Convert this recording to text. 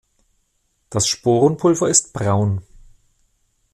Das Sporenpulver ist braun.